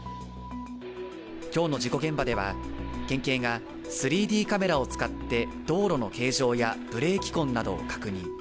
今日の事故現場では県警が３Ｄカメラを使って道路の形状やブレーキ痕などを確認。